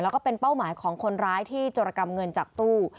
แล้วก็เป็นเป้าหมายของคนร้ายที่จรกรรมเงินจากตู้